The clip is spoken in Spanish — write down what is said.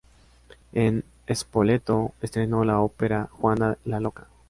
En Spoleto estrenó la ópera "Juana la Loca".